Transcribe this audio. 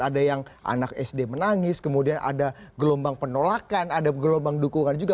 ada yang anak sd menangis kemudian ada gelombang penolakan ada gelombang dukungan juga